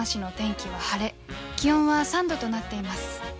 気温は３度となっています。